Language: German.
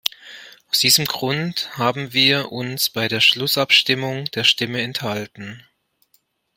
Aus diesem Grund haben wir uns bei der Schlussabstimmung der Stimme enthalten.